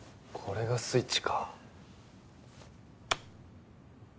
これがスイッチか。